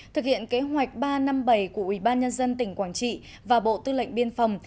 thực hiện kế hoạch ba trăm năm mươi bảy của ủy ban nhân dân tỉnh quảng trị và bộ tư lệnh biên phòng